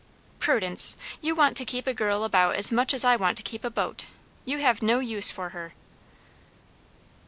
"Prudence! You want to keep a girl about as much as I want to keep a boat. You have no use for her."